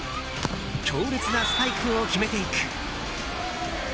強烈なスパイクを決めていく。